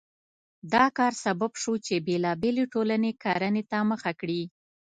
دا کار سبب شو چې بېلابېلې ټولنې کرنې ته مخه کړي.